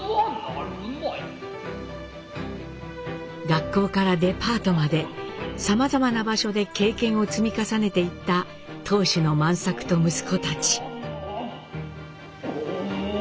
学校からデパートまでさまざまな場所で経験を積み重ねていった当主の万作と息子たち。